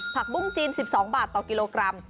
ปุ้งจีน๑๒บาทต่อกิโลกรัม